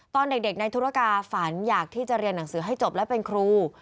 ตอนเด็กในธุรกาฝันอยากที่จะเรียนหนังสือให้จบและเป็นครู